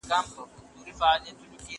هغه څوک چي انځورونه رسم کوي هنر لري؟!